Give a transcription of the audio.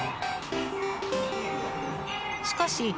しかし。